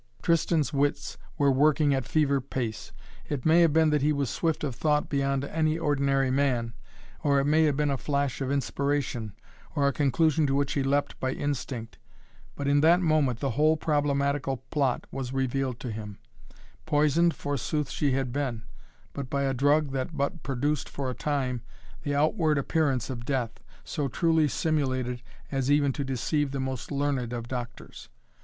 Tristan's wits were working at fever pace. It may have been that he was swift of thought beyond any ordinary man, or it may have been a flash of inspiration, or a conclusion to which he leapt by instinct. But in that moment the whole problematical plot was revealed to him. Poisoned forsooth she had been, but by a drug that but produced for a time the outward appearance of death, so truly simulated as even to deceive the most learned of doctors.